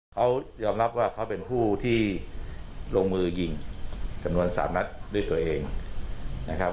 เขายอมรับว่าเขาเป็นผู้ที่ลงมือยิงจำนวน๓นัดด้วยตัวเองนะครับ